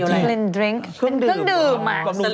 เครื่องดื่ม